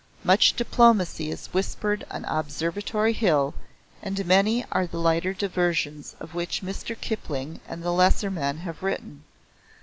Much diplomacy is whispered on Observatory Hill and many are the lighter diversions of which Mr. Kipling and lesser men have written.